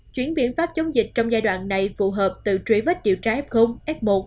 chuyển biện pháp chống dịch trong giai đoạn này phù hợp từ chuỗi vết điều tra f f một